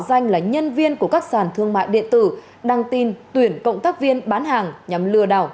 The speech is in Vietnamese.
danh là nhân viên của các sàn thương mại điện tử đăng tin tuyển cộng tác viên bán hàng nhằm lừa đảo